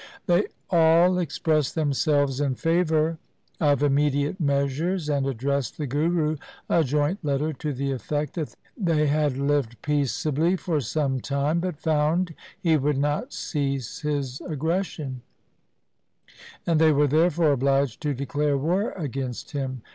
They all expressed themselves in favour of immediate measures, and addressed the Guru a joint letter to the effect that they had. lived peace LIFE OF GURU GOBIND SINGH 155 ably for some time, but found he would not cease his aggression, and they were therefore obliged to declare war against him.